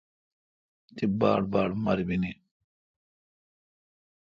تی باڑباڑ مربینی